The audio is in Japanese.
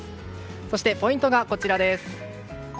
そして、ポイントはこちら。